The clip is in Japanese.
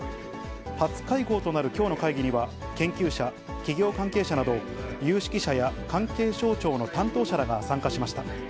初会合となるきょうの会議には、研究者、企業関係者など、有識者や関係省庁の担当者らが参加しました。